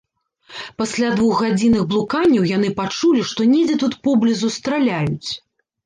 Пасля двухгадзінных блуканняў яны пачулі, што недзе тут поблізу страляюць.